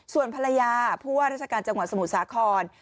ส่วนภรรยาผู้ว่าราชการจังหวัดสมุทรสาคร